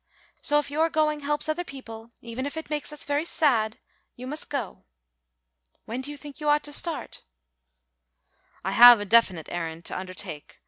So if your going helps other people, even if it makes us very sad you must go. When do you think you ought to start?" "I have a definite errand to undertake.